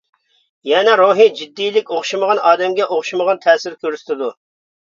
يەنى روھىي جىددىيلىك ئوخشىمىغان ئادەمگە ئوخشىمىغان تەسىر كۆرسىتىدۇ.